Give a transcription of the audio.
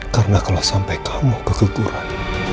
karena kalau sampai kamu keguguran